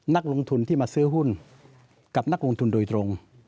นักลงทุนที่มาซื้อหุ้นกับนักลงทุนโดยตรง